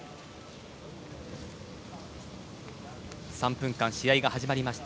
３分間試合が始まりました。